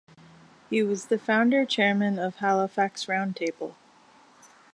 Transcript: He was the founder Chairman of Halifax Round Table.